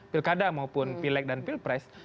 pilkada maupun pilek dan pilpres